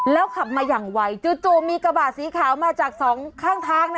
แล้วขับมาอย่างไวจู่มีกระบะสีขาวมาจากสองข้างทาง